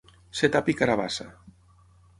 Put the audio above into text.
Ser tap i carabassa.